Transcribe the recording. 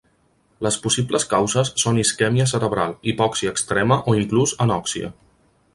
Les possibles causes són isquèmia cerebral, hipòxia extrema o inclús anòxia.